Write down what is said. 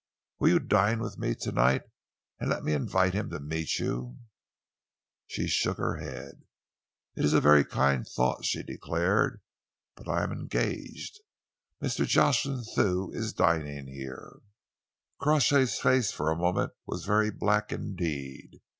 Will you dine with me to night and let me invite him to meet you?" She shook her head. "It is a very kind thought," she declared, "but I am engaged. Mr. Jocelyn Thew is dining here." Crawshay's face for a moment was very black indeed.